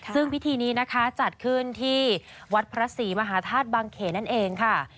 ซึ่งพิธีนี้นะคะจัดขึ้นที่วัดพระศรีมหาธาตุบังเขนนั่นเองค่ะ